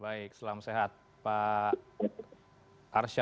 baik selamat sehat pak